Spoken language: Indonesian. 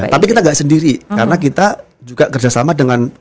tapi kita nggak sendiri karena kita juga kerjasama dengan